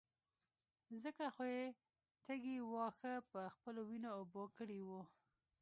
ځکه خو يې تږي واښه په خپلو وينو اوبه کړي وو.